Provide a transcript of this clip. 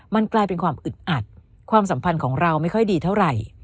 มันกลายเป็นความอึดอัดความสัมพันธ์ของเราไม่ค่อยดีเท่าไหร่